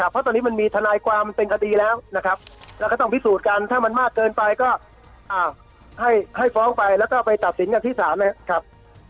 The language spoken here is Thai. เพราะตอนนี้มันมีทนายความเป็นคดีแล้วนะครับแล้วก็ต้องพิสูจน์กันถ้ามันมากเกินไปก็ให้ฟ้องไปแล้วก็ไปตัดสินกันที่ศาลนะครับ